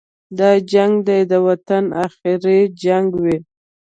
دا جنګ دې د وطن اخري جنګ وي.